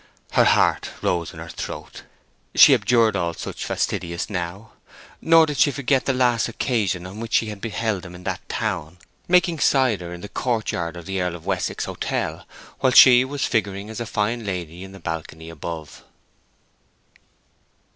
Her heart rose in her throat. She abjured all such fastidiousness now. Nor did she forget the last occasion on which she had beheld him in that town, making cider in the court yard of the Earl of Wessex Hotel, while she was figuring as a fine lady in the balcony above.